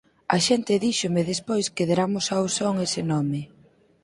A xente díxome despois que deramos ao son ese nome.